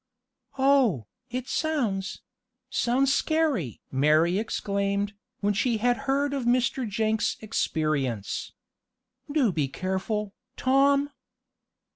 "Oh, it sounds sounds scary!" Mary exclaimed, when she had heard of Mr. Jenks' experience. "Do be careful, Tom!"